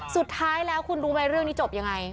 สุดท้ายแล้วคุณรู้ไหมเรื่องนี้จบยังไง